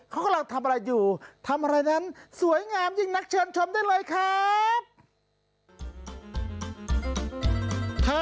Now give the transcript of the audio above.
เขากำลังทำอะไรอยู่ทำอะไรนั้นสวยงามยิ่งนักเชิญชมได้เลยครับ